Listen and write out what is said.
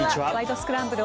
スクランブル」